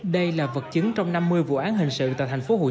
đây là vật chứng trong năm mươi vụ án hình sự tại tp hcm thời gian qua